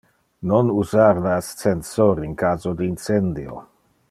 Non usar le ascensor in caso de incendio.